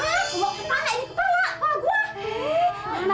ah lu mau kepala ini kepala